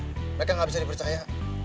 mereka gak bisa dipercaya